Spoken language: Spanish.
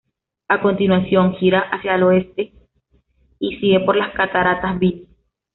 A continuación, gira hacia el oeste y sigue por las cataratas Billy.